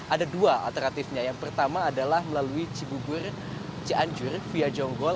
ada dua alternatifnya yang pertama adalah melalui cibubur cianjur via jonggol